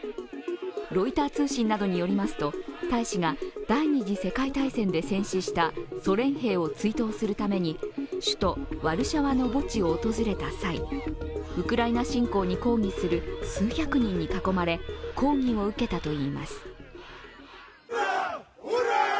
ロイター通信などによりますと大使が第二次世界大戦で戦死したソ連兵を追悼するために首都・ワルシャワの墓地を訪れた際、ウクライナ侵攻に抗議する数百人に囲まれ抗議を受けたといいます。